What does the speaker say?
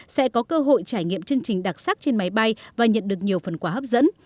sẽ có cơ hội trải nghiệm chương trình đặc sắc trên máy bay và nhận được nhiều phần quà hấp dẫn